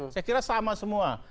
saya kira sama semua